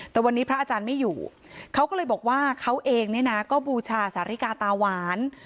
แต่วันนี้พระอาจารย์ไม่อยู่เขาก็เลยบอกว่าเขาเองเนี่ยนะก็บูชาสาริกาตาหวาน